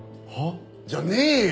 じゃねえよ！